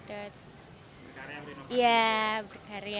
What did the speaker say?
supaya tetap berprestasi gitu